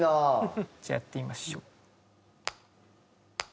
じゃあやってみましょう。